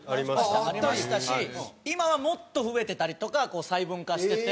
ありましたし今はもっと増えてたりとか細分化してて。